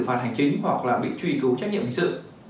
phạt hành chính hoặc là bị truy cứu trách nhiệm hình sự